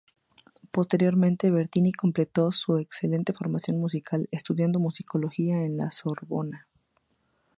Posteriormente, Bertini completó su excelente formación musical estudiando musicología en La Sorbona.